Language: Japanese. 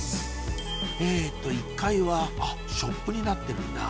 えっと１階はあっショップになってるんだ